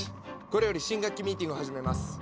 これより新学期ミーティングを始めます。